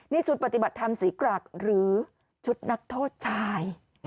นี่ชุดปฏิบัติธรรมศรีกรักหรือชุดนักโทษชาย